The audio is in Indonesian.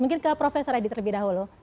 mungkin ke prof edi terlebih dahulu